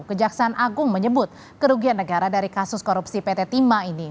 kejaksaan agung menyebut kerugian negara dari kasus korupsi pt timah ini